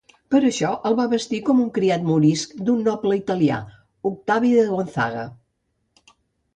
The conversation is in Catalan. Per això, el va vestir com a criat morisc d'un noble italià, Octavi de Gonzaga.